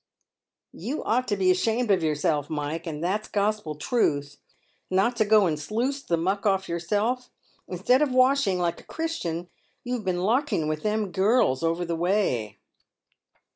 " You ought to be ashamed of yourself, Mike — and that's Gospel truth — not to go and sluice the muck off yourself. Instead of wash ing, like a Christian, you've been larking with them girls over the way."